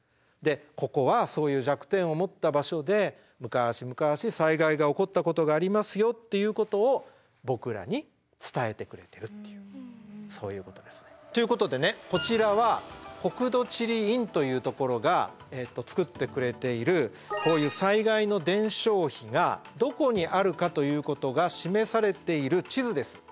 ここはそういう弱点を持った場所でむかしむかし災害が起こったことがありますよっていうことを僕らに伝えてくれてるっていうそういうことですね。ということでねこちらは国土地理院というところが作ってくれているこういう災害の伝承碑がどこにあるかということが示されている地図です。